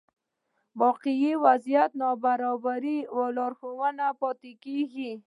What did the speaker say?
واقعي وضعيت ناباور لارښود پاتې کېږي.